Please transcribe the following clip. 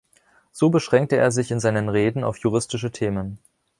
So beschränkte er sich in seinen Reden auf juristische Themen.